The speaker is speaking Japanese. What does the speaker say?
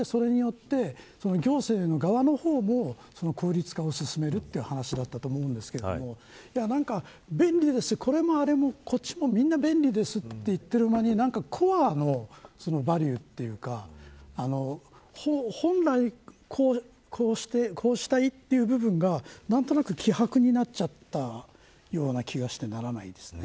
一方で、それによって行政の側の方も効率化を進めるという話だったと思うんですけれども便利です、これもあれもこっちもみんな便利ですと言っている間にコアのバリューというか本来こうしたいという部分が何となく希薄になっちゃったような気がしてならないですね。